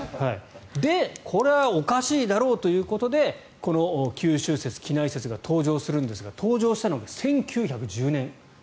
これはおかしいだろうということでこの九州説、畿内説が登場するんですが登場したのが１９１０年。